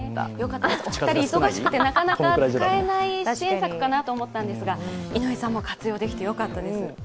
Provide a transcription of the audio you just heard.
お二人忙しくてなかなか使えない支援策かなと思ったんですが井上さんも活用できてよかったです。